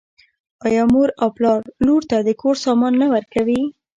آیا مور او پلار لور ته د کور سامان نه ورکوي؟